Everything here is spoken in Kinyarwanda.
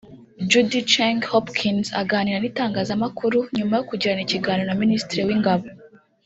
Judy Cheng-Hopkins aganira n’itangazamakuru nyumaa yo kugirana ikiganiro na Minisitiri w’Ingabo